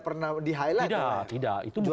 pernah di highlight tidak tidak itu bukan